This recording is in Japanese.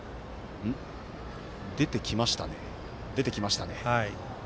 出てきましたね。